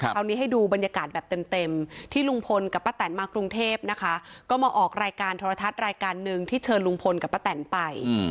ให้ดูบรรยากาศแบบเต็มที่ลุงพลกับป้าแตนมากรุงเทพนะคะก็มาออกรายการโทรทัศน์รายการหนึ่งที่เชิญลุงพลกับป้าแตนไป